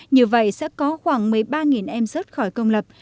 như vậy sẽ có khoảng một mươi ba em rớt khỏi công lập